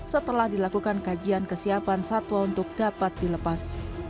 setelah dilakukan kajian kesiapan satwa untuk dapat dilepas